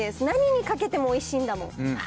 何にかけても、おいしいんだもん。